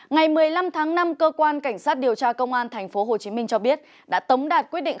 ngày một mươi năm tháng năm cơ quan cảnh sát điều tra công an tp hcm cho biết đã tống đạt quyết định